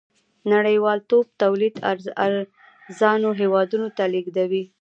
نړۍوالتوب تولید ارزانو هېوادونو ته لېږدوي.